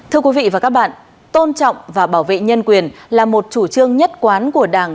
thưa quý vị và các bạn tôn trọng và bảo vệ nhân quyền là một chủ trương nhất quán của đảng